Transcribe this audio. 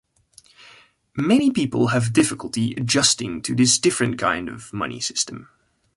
Many people have difficulty adjusting to this different kind of money system.